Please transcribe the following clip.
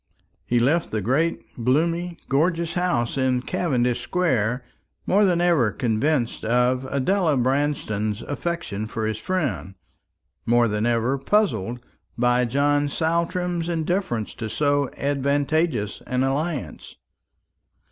He left the great gloomy gorgeous house in Cavendish square more than ever convinced of Adela Branston's affection for his friend, more than ever puzzled by John Saltram's indifference to so advantageous an alliance.